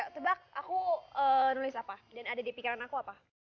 tubak aku nulis apa dan ada di pikiran aku apa